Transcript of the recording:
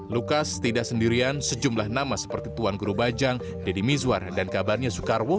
lukas tidak sendirian sejumlah nama seperti tuan guru bajang deddy mizwar dan kabarnya soekarwo